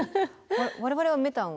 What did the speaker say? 我々はメタンは？